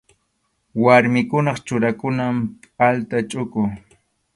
Warmikunapa churakunan pʼalta chuku.